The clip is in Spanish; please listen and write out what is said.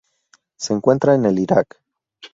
Se encuentra en el Irak.